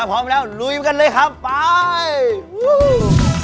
พร้อมแล้วลุยกันเลยครับไป